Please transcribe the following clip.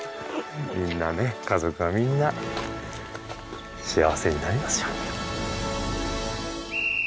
みんなね家族がみんな幸せになりますように。